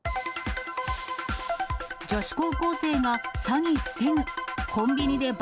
女子高校生が詐欺防ぐ。